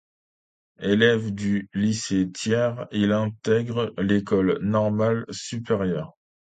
Élève du Lycée Thiers, il intègre l'École normale supérieure.